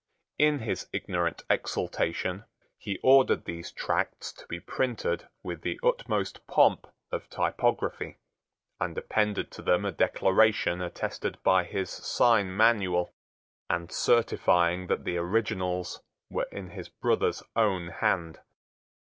In his ignorant exultation he ordered these tracts to be printed with the utmost pomp of typography, and appended to them a declaration attested by his sign manual, and certifying that the originals were in his brother's own hand.